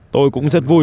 tôi cũng rất vui